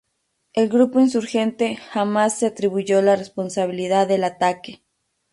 El grupo insurgente Hamás se atribuyó la responsabilidad del ataque.